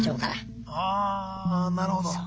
ああなるほど。